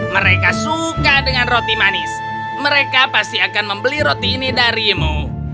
mereka suka dengan roti manis mereka pasti akan membeli roti ini darimu